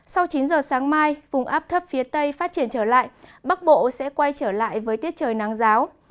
sau chín giờ sáng mai vùng áp thấp phía tây phát triển trở lại bắc bộ sẽ quay trở lại với tiết trời nắng giáo